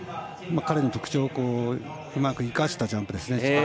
彼の特徴をうまく生かしたジャンプです。